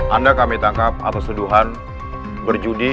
anda kami tangkap atas tuduhan berjudi